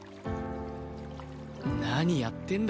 何やってんだ？